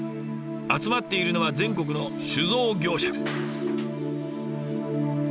集まっているのは全国の酒造業者。